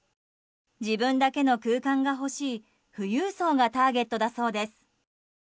自分だけの空間が欲しい富裕層がターゲットだそうです。